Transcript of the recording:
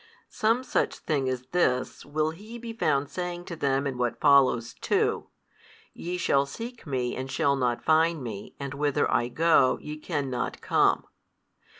Some such thing as this will He be found saying to them in what follows too, Ye shall seek Me and shall not find Me, and whither I go, YE cannot come.